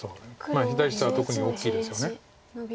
まあ左下は特に大きいですよね。